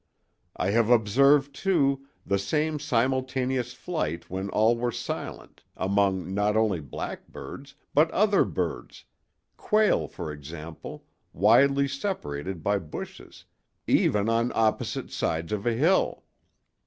I have observed, too, the same simultaneous flight when all were silent, among not only blackbirds, but other birds—quail, for example, widely separated by bushes—even on opposite sides of a hill.